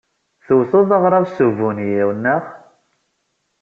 Tewted aɣrab s ubunyiw, naɣ?